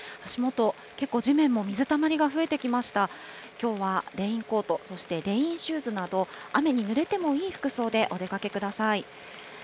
きょうはレインコート、そしてレインシューズなど、雨にぬれてもいい服装でお出かけください。